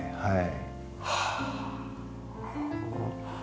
はい。